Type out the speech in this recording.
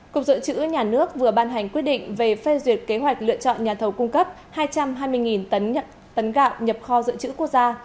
cục dự trữ nhà nước vừa ban hành quyết định về phê duyệt kế hoạch lựa chọn nhà thầu cung cấp hai trăm hai mươi tấn gạo nhập kho dự trữ quốc gia